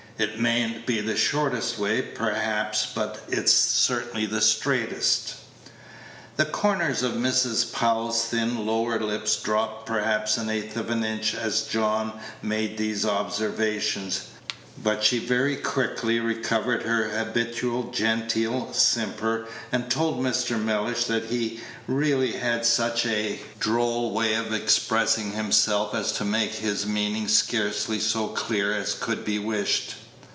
It may n't be the shortest way, perhaps, but it's certainly the straightest." The corners of Mrs. Powell's thin lower lip dropped perhaps the eighth of an inch as John made these observations, but she very quickly recovered her habitual genteel simper, and told Mr. Mellish that he really had such a droll way of expressing himself as to make his meaning scarcely so clear as could be wished.